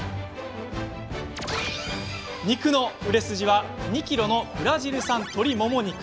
肉の売れ筋は２ｋｇのブラジル産鶏もも肉。